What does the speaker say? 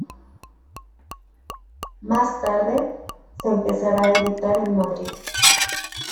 Más tarde, se empezará a editar en Madrid.